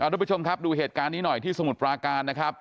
ทุกผู้ชมครับดูเหตุการณ์นี้หน่อยที่สมุทรปราการนะครับ